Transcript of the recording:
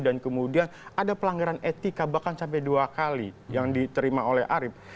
kemudian ada pelanggaran etika bahkan sampai dua kali yang diterima oleh arief